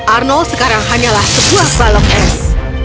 arnold sekarang hanyalah sebuah balong es